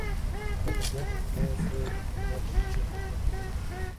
La capacidad aproximada se puede estimar a partir del voltaje de los polos.